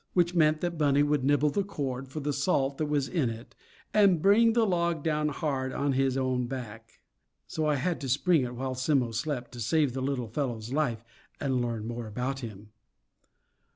Which meant that Bunny would nibble the cord for the salt that was in it, and bring the log down hard on his own back. So I had to spring it, while Simmo slept, to save the little fellow's life and learn more about him.